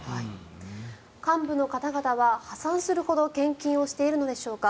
幹部の方々は破産するほど献金をしているのでしょうか。